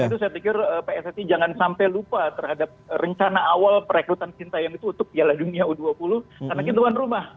jadi saya pikir pssi jangan sampai lupa terhadap rencana awal perekrutan sintiong itu untuk piala dunia u dua puluh karena kita tuan rumah